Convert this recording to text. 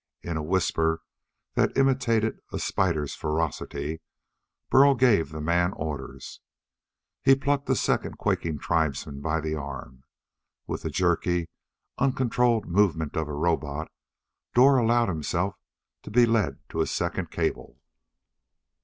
In a whisper that imitated a spider's ferocity, Burl gave the man orders. He plucked a second quaking tribesman by the arm. With the jerky, uncontrolled movements of a robot, Dor allowed himself to be led to a second cable.